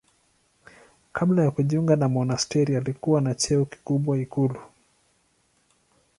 Kabla ya kujiunga na monasteri alikuwa na cheo kikubwa ikulu.